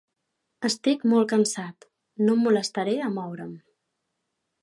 Estic molt cansat, no em molestaré a moure'm.